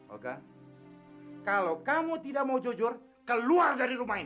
oke kalau kamu tidak mau jujur keluar dari rumah ini